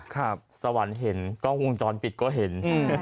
สวรรค์เห็นกล้องวงจรปิดก็เห็น